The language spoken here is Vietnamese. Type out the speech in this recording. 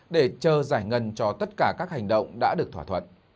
để chờ giải ngân cho tất cả các hành động đã được thỏa thuận